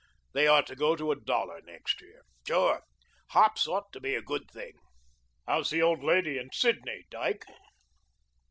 They ought to go to a dollar next year. Sure, hops ought to be a good thing. How's the old lady and Sidney, Dyke?"